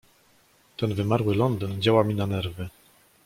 "Ten wymarły Londyn działa mi na nerwy."